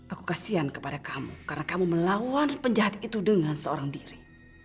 aku kasihan kepada kamu karena kamu melawan penjahat itu dengan seorang diri